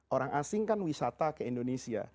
orang asing kan wisata ke indonesia